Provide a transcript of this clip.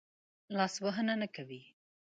لاس وهنه نه کوي.